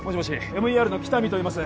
ＭＥＲの喜多見といいます